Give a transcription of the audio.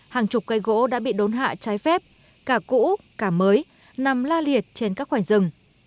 hàng chục cây gỗ đã bị đốn hạ trái phép cả cũ cả mới nằm la liệt trên các khoảnh rừng